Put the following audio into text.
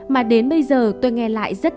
mà đến bây giờ tôi nghe lại rất